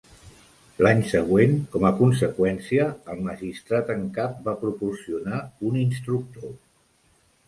L'any següent, com a conseqüència, el magistrat en cap va proporcionar un instructor.